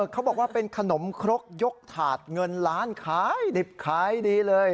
เขาบอกว่าเป็นขนมครกยกถาดเงินล้านขายดิบขายดีเลย